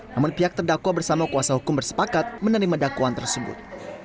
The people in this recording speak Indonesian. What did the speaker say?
namun pihak terdakwa bersama kuasa hukum bersepakat menerima dakwaan tersebut